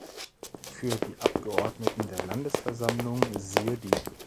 Für die Abgeordneten der Landesversammlung siehe die